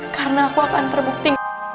karena aku akan terbukti